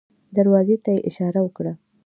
دروازې ته يې اشاره وکړه.